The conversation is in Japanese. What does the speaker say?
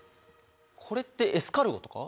これってエスカルゴとか？